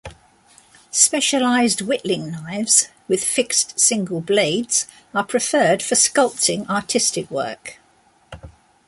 Specialized whittling knives, with fixed single blades, are preferred for sculpting artistic work.